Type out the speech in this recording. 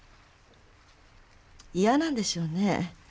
嫌なんでしょうね